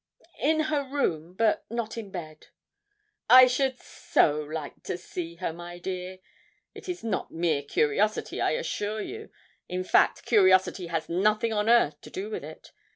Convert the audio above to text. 'In her room, but not in bed.' 'I should so like to see her, my dear. It is not mere curiosity, I assure you. In fact, curiosity has nothing on earth to do with it.